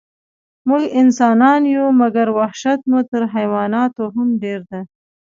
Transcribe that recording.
موږ انسانان یو، مګر وحشت مو تر حیواناتو هم ډېر ده.